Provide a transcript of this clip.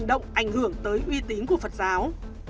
tưởng tới uy tín của phật giáo